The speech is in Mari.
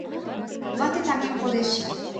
Вате таҥем кодеш.